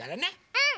うん！